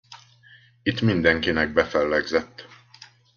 Itt mindenkinek befellegzett.